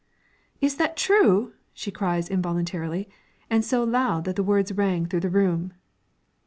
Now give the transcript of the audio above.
"Is that true?" she cries, involuntarily, and so loud that the words rang through the room.